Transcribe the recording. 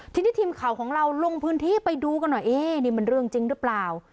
ทีนี้ทีมข่าวของเราลงพื้นที่ไปดูกันหน่อยเอ๊นี่มันเรื่องจริงหรือเปล่า